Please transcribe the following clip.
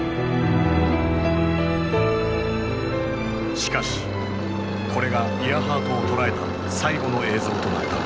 しかしこれがイアハートを捉えた最後の映像となった。